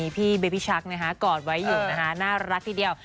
พี่เบบิชักกอดไว้อยู่นะคะน่ารักทีเดียว